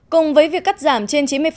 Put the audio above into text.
cùng với việc cắt giảm trên chín mươi